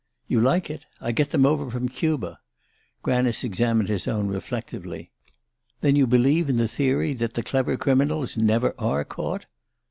"You like it? I get them over from Cuba." Granice examined his own reflectively. "Then you believe in the theory that the clever criminals never are caught?"